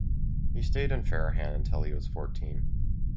He stayed in Farahan until he was fourteen.